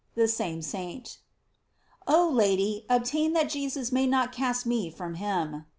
— The same Saint. Oh Lady, obtain that Jesus may not cast me from him.